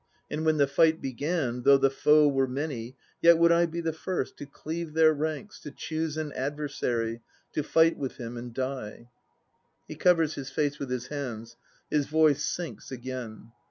And when the fight began Though the foe were many, yet would I be the first To cleave their ranks, to choose an adversary To fight with him and die. (He covers his face with his hands; his voice sinks again.)